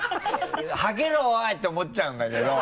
「はけろおい！」って思っちゃうんだけど。